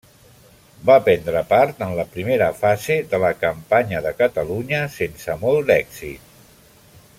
Va prendre part en la primera fase de la campanya de Catalunya, sense molt d'èxit.